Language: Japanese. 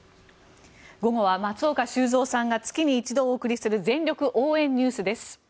午後は松岡修造さんが月に一度お送りする全力応援ＮＥＷＳです。